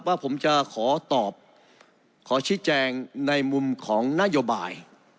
ว่าผมจะขอตอบขอชี้แจงในมุมของนโยบาย